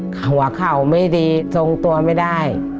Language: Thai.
หัวเข่าไม่ดีทรงตัวไม่ได้